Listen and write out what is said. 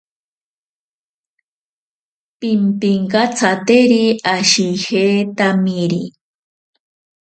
Pimpinkatsateri ashitajetamiri.